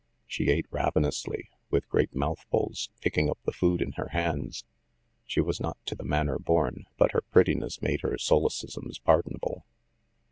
She ate ravenously, with great mouth fuls, picking up the food in her hands. She was not to the manner born, but her prettiness made her sole cisms pardonable.